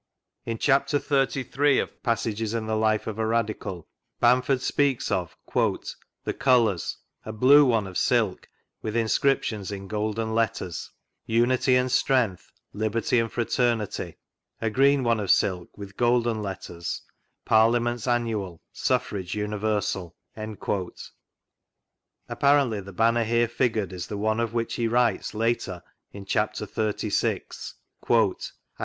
In chapter XXXIII. of Passages in the Life of a Radical Bamford speaks of " the colours; a blue one of silk, with inscriptions in golden letters: UNITY AND STRENGTH, LIBERTY AND FRATERNITY. A green one of silk, with golden letters, PARLIA MENTS ANNUAL, SUFFRAGE UNIVERSAL." Apparently the Banner here figured is the one of which be writes later in chapter XXXVI. : "I rejoined my "